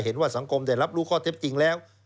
เห็นว่าสังคมได้รับรู้ข้อเท็จจริงแล้ว